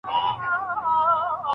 ښه ذهنیت باور نه زیانمنوي.